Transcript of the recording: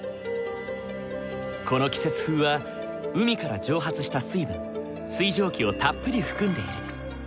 この季節風は海から蒸発した水分水蒸気をたっぷり含んでいる。